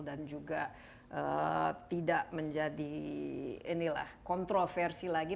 dan juga tidak menjadi ini lah kontroversi lagi